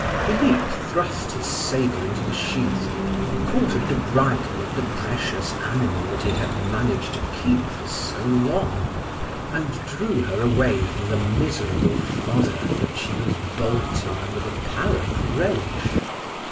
Philip thrust his sabre into the sheath, caught at the bridle of the precious animal that he had managed to keep for so long, and drew her away from the miserable fodder that she was bolting with apparent relish.